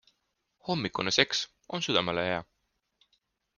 Hommikune seks on südamele hea.